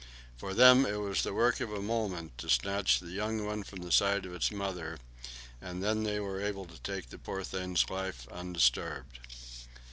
For them it was the work of a moment to snatch the young one from the side of its mother, and then they were able to take the poor thing's life undisturbed.